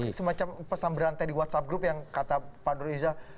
ini semacam pesan berantai di whatsapp group yang kata pak nur iza